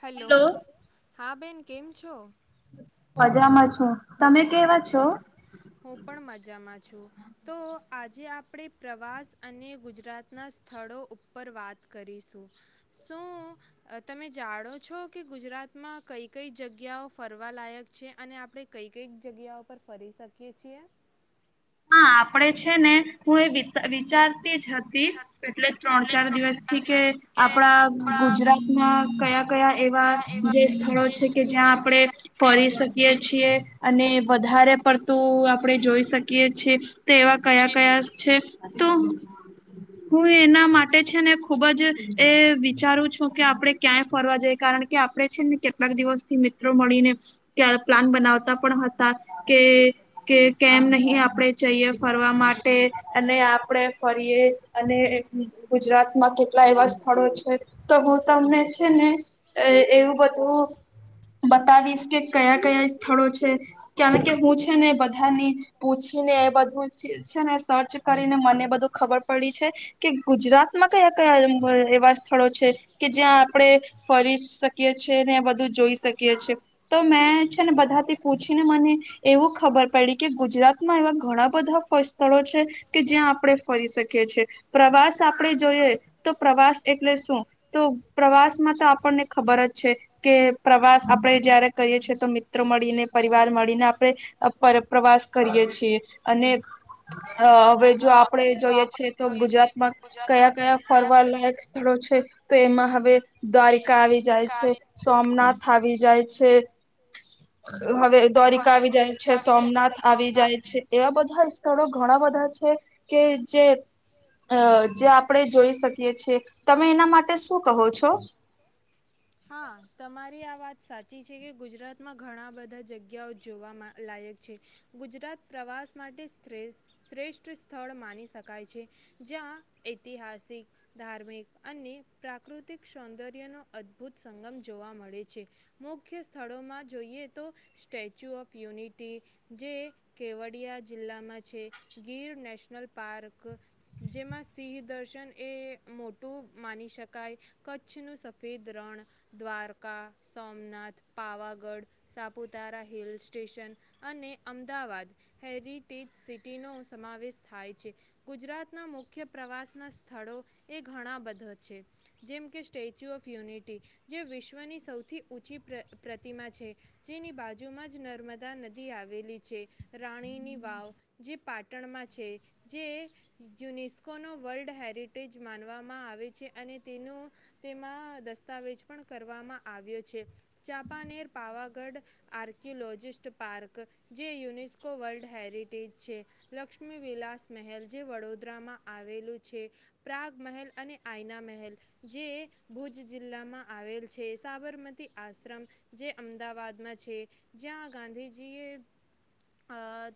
Hello! Hello. હા બેન કેમ છો? મજામાં છું. તમે કેવા છો? હું પણ મજામાં તો આજે આપણે પ્રવાસ અને ગુજરાતના સ્થળો ઉપર વાત કરીશું. શું તમે જાણો છો કે ગુજરાત માં કઈ કઈ જગ્યાઓ ફરવા લાયક છે, અને આપડ કઈ કઈ જગ્યાઓ પર ફરી શકીય છીએ. હા આપડે છે ને હું એ વિચાર હતી એટલે ત્રણ ચાર દિવસથી કે આપણા ગુજરાતમાં કયા કયા એવા જે સ્થળો છે કે જ્યાં આપણે ફરી શકીએ છીએ અને વધારે પડતું આપડે જોઈ શકીએ. શકે છે તેવા કયા કયા છે તો હું એના માટે છે ને ખુબ જ એ વિચારું છું કે આપડે ક્યાંય ફરવા જઈ કારણ કે આપણે છે ને કેટલાક દિવસથી મિત્રો મળીને પ્લાન બનાવતા પણ હતા કે કેમ નહી એ આપડે જઈએ ફરવા માટે અને આપડે ફરીએ અને ગુજરાતમાં કે લા એવા સ્થળો છે તો હું તમને છે ને એવું બધું બતાવીશ કે કયા કયા સ્થળો છે કારણ કે હું છે ને બધાની પૂછીને એ બધું છે ને સર્ચ કરીને મને બધું ખબર પડી છે કે ગુજરાતમાં કયા કયા એવા સ્થળો છે કે જ્યાં આપણે ફરી શકીએ છીએ ને બધું જોઈ શકીએ છે, તો મેં છે ને બધાથી પૂછીને મને એવું ખબર પડી કે ગુજરા [unintelligible] રાતમાં એવા ઘણા બધા સ્થળો છે કે જ્યાં આપણે ફરી શકીએ. છે. પ્રવાસ આપણેે જોઈએ. તો પ્રવાસ એટલે શું? તો પ્રવાસ માં તો આપણને ખબર જ છે કે પ્રવાસ આપણે જયારે કરીએ છીએ તો મિત્ર મળીને, પરિવાર મળીને, આપણે પ્રવાસ અને હવે જો આપણે જોઈએ છીએ, તો ગુજરાતમાં કયા કયા ફરવા લયક સ્થળો છે, તો એ માં હવે ગારી [unintelligible] આવી જાય છે, સોમનાથ આવી જાય છે, હવે દારિકા આવી જાય છે, સોમનાથ આવી જાય છે, એવા બધા વિસ્ત ઘણા બધા છે કે જે અ જે આપણેે જોઈ શકીએ છીએ તમે એના માટે શું કહો છો? હા. તમારી આ વાત સાચી છે, કે ગુજરાતમાં ઘણા બધા જગ્યાઓ જોવા લાયક છે. ગુજરાત પ્રવાસ માટે શ્રેષ્ઠ સ્થળ માની શકાય છે, જ્યાં ઐતિહાસિક, ધાર્મિક અને પ્રાકૃતિક સૌંદર્યનો અ અદભૂત સંગમ જોવા મળે છે. મુખ્ય સ્થળોમાં જોઈએ તો સ્ટેચ્યુ ઓફ યુનિટી જે કેવડીયા જિલ્લામાં છે, ગીર નેશનલ પાર્ક, જેમાં સિંહ દર્શન એ મોટું માની શકાય કચ્છનું સફેદ દરણ દ્વારકા, સોમનાથ, પાવાગઢ, સાપુતારા, હિલ સ્ટેશન અને અમદાવાદ હેરિટેજ સિટીનો સમાવેશ થાય છે. ગુજરાતના મુખ્ય પ્રવાસના સ્થળો એ ઘણા બધા છે, જેમકે સ્ટેચ્યુ ઓફ યુનિટી જે વિશ્વની સૌથી ઊંચી પ્રતિમા છે, જેની બાજુમાં જ નર્મદા નદી આવેલી છે. રાણીની વાવ જે પાટણમાં છે, જે યુનેસ્કોનો વર્લ્ડ હેરિટેજ માનવામાં આવે છે અને તેનું તેમાં દસ્તાવેજ પણ કરવામાં આવ્યો છે. ચાંપાનેર પાવાગઢ આર્કિયોલોજીિસ્ટ પાર્ક જે યુનેસ્કો વર્લ્ડ હેરિટેજ છે. લક્ષ્મી વિલાસ મહેલ જે વડોદરામાં આવેલું છે. પ્રાગ મહેલ અને આઈના મહેલ જે ભુજ જિલ્લામાં આવેલ છે. સાબરમતી આશ્રમ જે અમદાવાદમાં છે. જ્યાં ગાંધીજીએ આ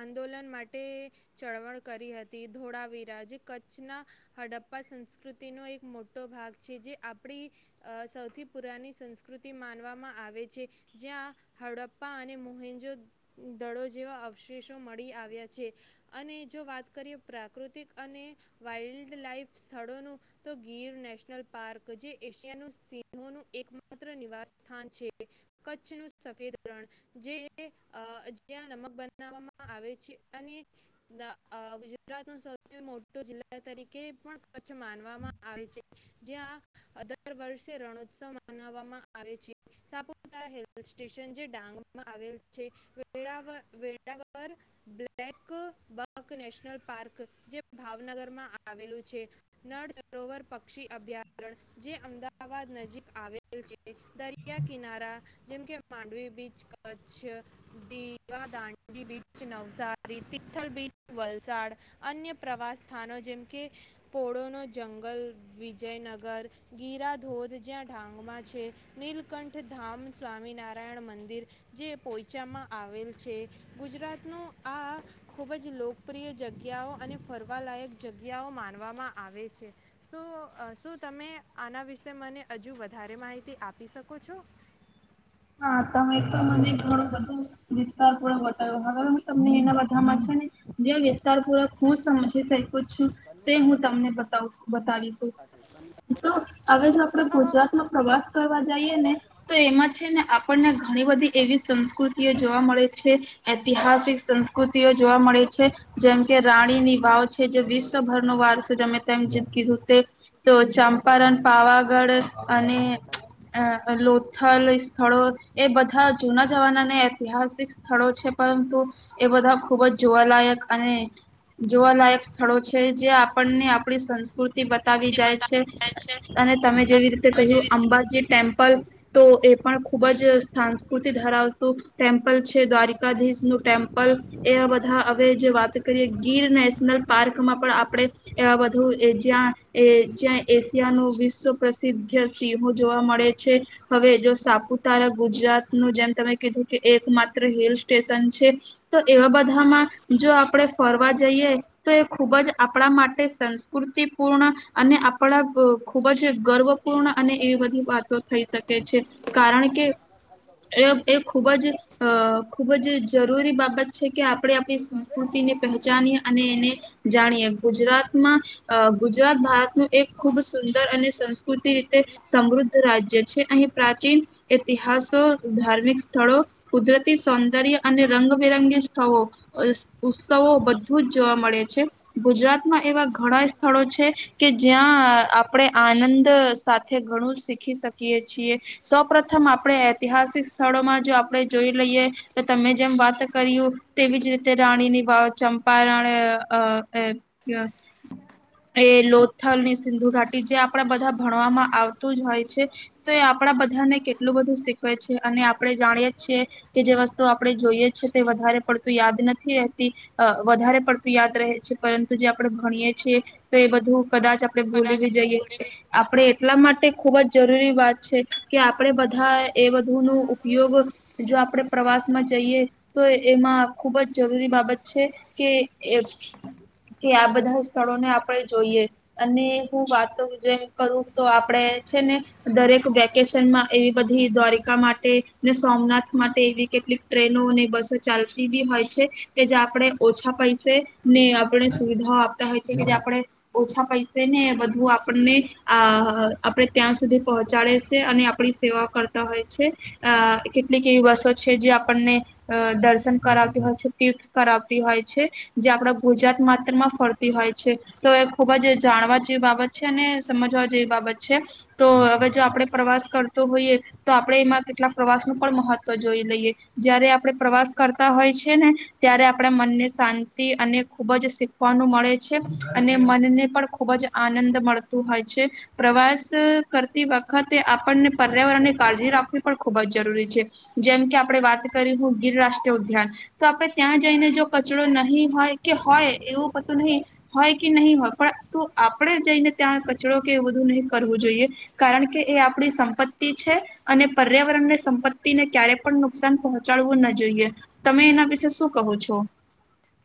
આંદોલન માટે ચળવળ કરી હતી. ધોળાવીરા જે કચ્છના હડપ્પા સંસ્કૃતિનો એક મોટો ભાગ છે જે આપણી સૌથી પુરાની સંસ્કૃતિ માનવામાં આવે છે. જ્યાં હડપ્પા અને મોહેન્જો દળો જેવા અવશેષો મળી આવ્યા છે અને જો વાત કરીએ પ્રાકૃતિક અને વાઈલ્ડ લઇફ સ્થળોનું તો ગીર નેશનલ પાર્ક જે એશિયા ન સિંહોનું એકમાત્ર નિવાસ સ્થાન છે. કચ્છ ન સફેદ રણ જે જ્યાં નમક બનાવવામાં આવે છે. અને ગુજરાત ન સૌથી મોટો જિલ્લા તરીકે પણ કચ્છ માનવામાં આવે છે. જ્યાં દર વર્ષે રણોત્સવ મનાવવામાં આવે છે. સાપુારા હિલ સ્ટેશન જે ડાંગમાં આવેલ છે. વેવ વેળાવર બ્લેક બક નેશનલ પાર્ક જે ભાવનગરમાં આવેલું છે. નળ સરોવર પક્ષી અભ્યારણ્ય જે અમદાવાદ અમદાવાદ નજીક આવેલ છે. દરિયા કિનારા જેમકે માંડવી બીચ કચ્છ, દીવાદાંડી બીચ નવસારી, તિથલ બીચ વલસાડ અન્ય પ્રવાસ સ્થાનો જેમ કે પોળોનો જંગલ, વિજયનગર, ગીરાધોધ જ્યાં ઢાંગમાં છે. નીલકંઠ ધામ સ્વામિનારાયણ મંદિર જે પોયચામાં આવેલ છે. ગુજરાતનું આ ખૂબ જ લોકપ્રિય જગ્યાઓ અને ફરવાલાયક જગ્યાઓ માનવામાં આવે છે. શું શું તમે આના વિશે મને હજુ વધારે માહિતી આપી શકો છો? હા. તમે તો મને ઘણો બધો વિસ્તાર પૂરોક બતા્યો હવે તમને એના બધામાં છે ને જે વિસ્તાર પૂર્વક હું સમજી શકું છું તે હું તમને ત [inaudible] બતાવીશું તો હવે જો આપડે અ, અ, અ, ગુજરાતમાં પ્રવાસ કરવા જઈએ ને તો એમાં છે ને આપણને ઘણી બધી એવી સંસ્કૃતિઓ જોવા મળે છે ઐતિહાસિક સંસ્કૃતિઓ જોવા મળે રૂક છે જેમ કે રાણીની વાવ છે જે વિશ્વભર ન વારસ રમે તેમ જેમકીતે તો ચંપારણ પાવાગઢ અને અ લોથલ સ્થળો એ બધા જૂના જવાના અને ઐતિહાસિક સ્થળો છે પરંતુ એ બધા ખુબ જ જોવાલાયક અને જોવાલાયક સ્થળો છે જે આપણને આપણી સંસ્કૃતિ બતાવી જાય છે અને તમે જેવી રીતે કહ્યું અંબાજી ટેમ્પલ તો એ પણ [inaudible] ત ગુજરાત નું જેમ તમે કીધું કે એક માત્ર હિલ સ્ટેશન છે તો એવા બધામાં જો આપણે ફરવા જઈએ તો એ ખૂબ જ આપણા માટે સંસ્કૃતિપૂર્ણ અને આપણા ખૂબ જ ગર્વપૂર્ણ અને એવી બધી વાતો થઈ શકે છે કારણ કે એ ખૂબ જ અ ખુબ જ જરૂરી બાબત છે કે આપણે આપણી સંસ્કૃતિને પહચાનીએ અને એને જાણીયએ ગુજરાતમાં ગુજરાત ભારતનું એક ખૂબ સુંદર અને સંસ્કૃતિ સમૃદ્ધ રાજ્ય છે અહી પ્રાચીન ઇતિહાસો ધાર્મિક સ્થળો કુદરતી સૌંદર્ય અને રંગબેરંગી સ્થળો ઉત્સવો બધું જ જોવા મળે છે ગુજરાતમાં એવા ઘણા સ્થળો છે કે જ્યાં આપણે આનંદ સાથે ઘણું શીખી શકીએ છીએ સપ આપણે ઐતિહાસિક સ્થળોમાં જો આપણે જોઈ લઈએ તો તમે જેમ વાત કરી્યું તેવીજ રીતે રાણી ની વાવ ચંપારણ એ લોથલ ની સિંધુ ઘાટી જે આપણા બધા ભણવામાં આવતું જ હોય છે તો એ આપણા બધાને કેલા એટલું બધું શીખવે છે અને આપણે જાણીએ છીએ કે જે વસ્તુ આપણે જોઈએ છે તે વધારે પડતું યાદ નથી રહેતી વધારે પડતું યાદ રહે છે પરંતુ જે આપણે ભણીએ છીએ. તો એ બધું કદાચ આપણે ભૂલીવી જઈએ આપણે એટલા માટે ખુબ જ જરૂરી વાત છે કે આપણે બધા એ બધુ ન ઉપયોગ જો આપણે પ્રવાસ માં જઈએ તો એમાં ખુબ જ જરૂરી બાબત છે કે કે આ બધા સ્થળોને આપણે જોઈએ અને હું વાત જે કરું તો આપણેે છે ને દરેક વેકેશનમાં એવી બધી દ્વારિકા માટે ને સોમનાથ માટે એવી કેટલીક ટ્રેનો અને બસો ચાલતી બી હોય છે કે જે આપણે ઓછા પૈસે ને આપણે સુવિધાઓ આપતા હોય છે કે જે આપણે ઓછા પૈસે ને બધું આપણને આ આપણે ત્યાં સુધી પહોંચાડે છે અને આપણી સેવા કરતા હોય છે અ કેટલીક એવી બસો છે જે આપણને દર્શન કરાવતી હોય છે તીર્થ કરાવતી હોય છે જે આપણા ગુજરાત માત્રમાં ફરતી હોય છે તો એ ખુબ જ જાણવા જેવી બાબત છે અને સમજવા જેવી બાબત છે તો હવે જો આપણે પ્રવાસ કર હોઈએ તો આપણે એમાં કેટલાક પ્રવાસ નું પણ મહત્વ જોઈ લઈએ જયારે આપણે પ્રવાસ કરતા હોય છે ને ત્યારે આપણા મનને શાંતિ અને ખુબ જ શીખવાનું મળે છે અને મનને પણ ખુબ જ આનંદ મળતું હોય છે પ્રવાસ કરતી વખતે આપણને પર્યાવરણની કાળજી રાખવી પણ ખૂબ જ જરૂરી છે જેમ કે આપણે વાત કરી હું ગીર રાષ્ટ્રીય ઉદ્યાન તો આપણે ત્યાં જઈને જો કચરો નહીં હોય કે હોય એવું કતું નહીં હોય કે નહીં હોય પણ આપણે જઈને ત્યાં કચરો કે એવું બધું નહીં કરવું જોઈએ કારણ કે એ આપણી સંપ તિ છે અને પર્યાવરણને સંપત્તિને ક્યારે પણ નુકસાન પહોંચાડવું ના જોઈએ તમે એના વિશે શું કહો છો?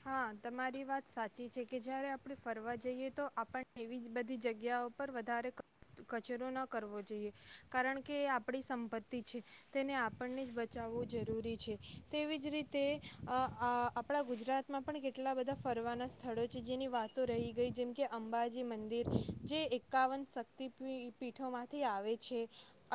હા તમારી વાત સાચી છે કે જ્યારે આપણે ફરવા જઈએ તો આપણે એવી બધી જગ્યાઓ પર વધારે કચરો ન કરવો જોઈએ કારણ કે આપણી સંપત્તિ છે તેને આપણને જ બચાવવો જરૂરી છે તેવી જ રીતે અ આપણા ગુજરાત માં પણ કેટલા બધા ફરવાના સ્થળો છે જેની વાતો રહી ગઈ જેમ કે અંબાજી મંદિર જે એકાવન શક્તિ પી પીઠોમાંથી આવે છે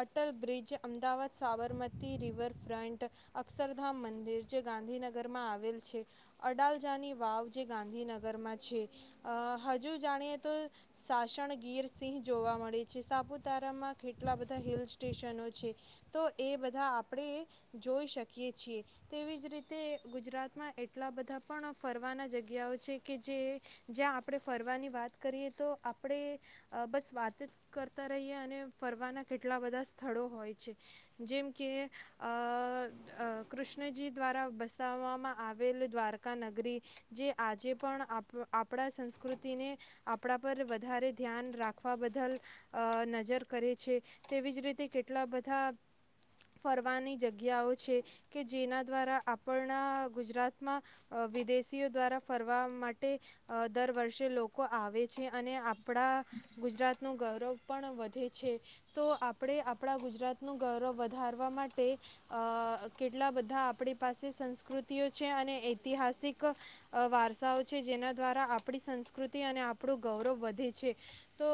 અટલ બ્રિજ, અમદાવાદ સાબરમતી રિવરફ્રન્ટ, અક્ષરધામ મંદિર જે ગાંધીનગરમાં આવેલ છે. અડાલજાની વાવ જે ગાંધીનગરમાં છે, અ હજુ જાણીએ તો સાશણ ગીર સિંહ જોવા મળે છે સાપુતારામાં કેટલા બધા હિલ સ્ટેશનો છે તો એ બધા આપણે જોઈ શકીએ છીએ તેવી જ રીતે ગુજરાતમાં એટ કેટલા બધા પણ ફરવાના જગ્યાઓ છે કે જે જ્યાં આપણે ફરવાની વાત કરીએ તો આપણે બસ વાત જ કરતા રહીએ અને ફરવાના કેટલા બધા સ્થળો હોય છે જેમ કે અ કૃષ્ણજી દ્વારા બસાવવામાં આવ આવેલ દ્વારકા નગરી જે આજે પણ આપ આપણા સંસ્કૃતિને આપણા પર વધારે ધ્યાન રાખવા બદલ અ નજર કરે છે તેવી જ રીતે કેટલા બધા ફરવાની જગ્યાઓ છે કે જેના દ્વારા આપણા ગુજરાત. માં વિદેશીઓ દ્વારા ફરવા માટે દર વર્ષે લોકો આવે છે અને આપણા ગુજરાતનું ગૌરવ પણ વધે છે તો આપણે આપણા ગુજરાતનું ગૌરવ વધારવા માટે અ કેટલા બધા આપણી પાસે સંસ્કૃતિઓ છે અને ઐતિહાસિક વારસાઓ છે જેના દ્વારા આપણી સંસ્કૃતિ અને આપણું ગૌરવ વધે છે તો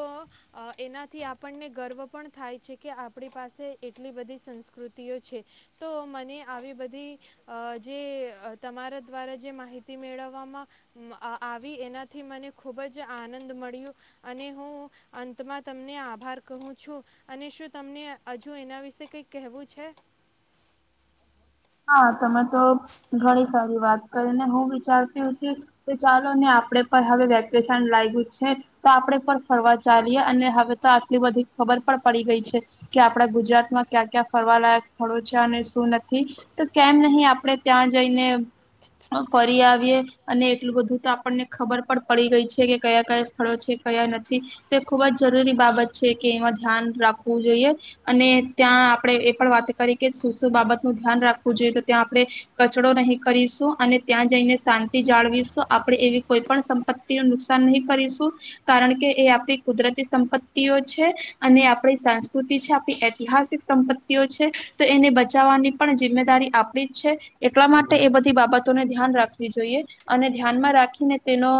એનાથી આપણને ગર્વ પણ થાય છે કે આપણી પાસે એટલી બધી સંસ્કૃતિઓ છે તો મને આવી બધી અ જે તમારા દ્વારા જે માહિતી મેળવવામાં આવી એનાથી મને ખુબ જ આનંદ મળ્યો અને હું અંતમાં તમને આભાર કહું છું અને શું તમને હજુ એના વિશે કઈ કહેવું છે? હા તમે તો ઘણી સારી વાત કરીને હું વિચારતી હુતી કે ચાલો ને આપણેે પણ હવે વેકેશન લાયગુ છે તો આપડે પણ ફરવા ચાલીએ અને હવે તો આટલી બધી ખબર પણ પડી ગઈ છે કે આપડા ગુજરાતમાં ક્યાં ક્યાં ફરવાલાયક સ્થળો છે અને શું નથી. તો કેમ નહીં આપણે ત્યાં જઈને ફરી આવીએ અને એટલું બધું તો આપણને ખબર પણ પડી ગઈ છે કે કયા કયા સ્થળો છે કયા નથી તો એ ખુબ જ જરૂરી બાબત છે કે એમાં ધ્યાન રાખવું જોઈએ અને ત્યાં આપણે એ પણ વાત કરી કે શું શું બાબત નું ધ્યાન રાખ જોઈ તો ત્યાં આપણે કચડો નહીં કરીશું અને ત્યાં જઈને શાંતિ જાળવીશું આપણે એવી કોઈ પણ સંપતિ ન નુકસાન નહીં કરીશું કારણ કે એ આપણી કુદરતી સંપત્તિઓ છે અને આપણી સંસ્કૃતિ છે આપણી ઐતિહાસિક સંપત્તિઓ છે તો એને બચાવવાની પણ જિમે દારી આપણી જ છે એટલા માટે એ બધી બાબત ને ધ્યાન રાખવી જોઈએ અને ધ્યાનમાં રાખી ને તેનો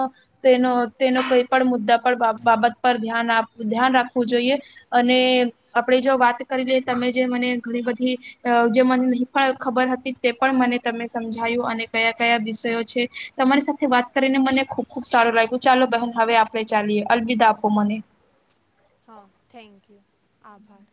તેનો તેનો કોઈ પણ મુદ્દા પર બાબત પર ધ્યાન આપું ધ્યાન રાખવું જોઈએ અને આપણે જો વાત કરી લઈ તમે મને ઘણી બધી અ જે મને પણ ખબર હતી તે પણ મને તમે સમજાયું અને કયા કયા વિષયો છે તમારી સાથે વાત કરીને મને ખુબ ખુબ સારું લાગ્યું ચાલો બહન હવે આપણે ચાલીએ અલવિદા આપો મને. હા થેન્ક યુ આભાર.